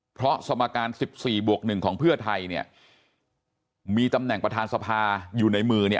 เพราะสมการ๑๔บวก๑ของเพื่อไทยเนี่ยมีตำแหน่งประธานสภาอยู่ในมือเนี่ย